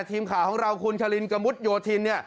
ทีมข่าวของเราคุณคารินกระมุดโยธินเนี่ย